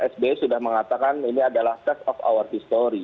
sbi sudah mengatakan ini adalah ses of our history